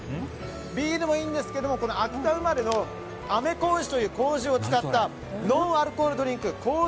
ビールもいいんですが秋田生まれのあめこうじという麹を使ったノンアルコールドリンク